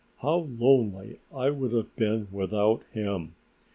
How lonely I would have been without him!